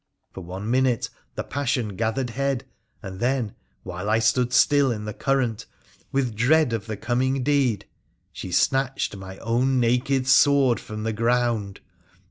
For one minute the passion gathered head, and then, while I stood still in the current with dread of the coming deed, she snatched my own naked sword from the ground.